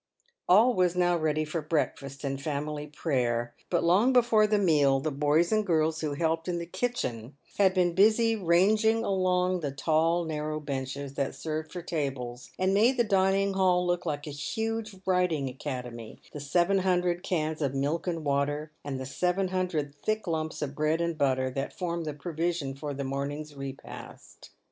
All was now ready for breakfast and family prayer, but long before the meal the boys and girls who helped in the kitchen had been busy ranging along the tall, narrow benches that served for tables, and made the dining hall look like a huge writing academy, the seven hundred cans of milk and water, and the seven hundred thick lumps of bread and butter, that formed the provision for the morning's re past.